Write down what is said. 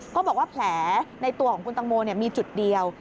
ก็บอกว่าแผลในตัวของคุณตังโมมีจุดเดียว